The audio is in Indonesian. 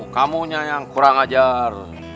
kamunya yang kurang ajar